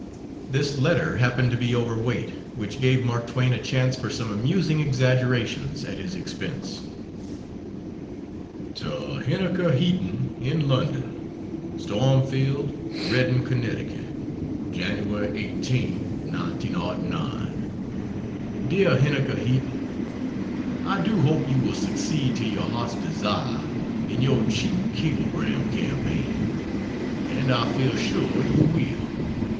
This letter happened to be over weight, which gave Mark Twain a chance for some amusing exaggerations at his expense. To Henniker Heaton, in London: STORMFIELD, REDDING, CONNECTICUT, Jan. 18, 1909. DEAR HENNIKER HEATON, I do hope you will succeed to your heart's desire in your cheap cablegram campaign, and I feel sure you will.